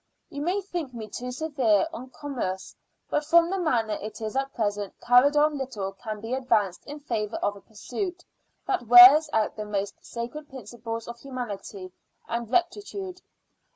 You may think me too severe on commerce, but from the manner it is at present carried on little can be advanced in favour of a pursuit that wears out the most sacred principles of humanity and rectitude.